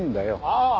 ああ！